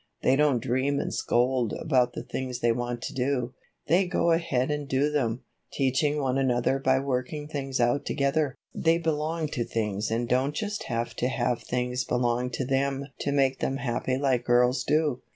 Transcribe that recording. They don't dream and scold about the things they want to do; they go ahead and do them, teaching one another by working things out together. They belong to things and don't just have to have things belong to them' to make them happy like girls do."